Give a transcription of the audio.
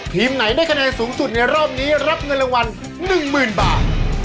ทีมไหนได้คะแนนสูงสุดในรอบนี้รับเงินรางวัล๑๐๐๐บาท